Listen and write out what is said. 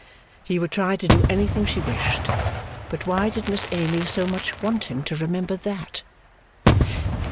He would try to do anything she wished. But why did Miss Amy so much want him to remember that?